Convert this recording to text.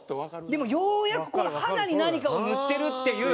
でもようやく肌に何かを塗ってるっていう。